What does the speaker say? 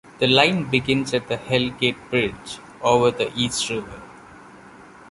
The line begins at the Hell Gate Bridge over the East River.